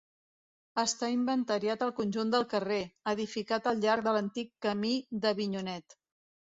Està inventariat el conjunt del carrer, edificat al llarg de l'antic camí d'Avinyonet.